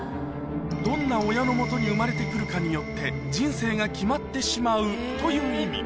どんな親のもとに生まれてくるかによって、人生が決まってしまうという意味。